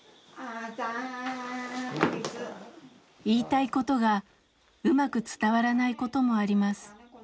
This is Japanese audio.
言いたいことがうまく伝わらないこともあります。